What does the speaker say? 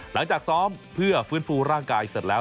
หลังจากซ้อมเพื่อฟื้นฟูร่างกายเสร็จแล้ว